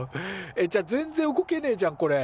えっじゃあ全然動けねえじゃんこれ。